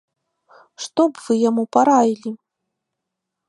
Што б вы яму параілі?